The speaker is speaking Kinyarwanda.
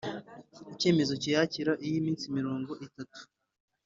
icyemezo cy iyakira Iyo iminsi mirongo itatu